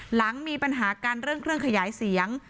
หลังมีปัญหากันเรื่องเครื่องขยายเสียง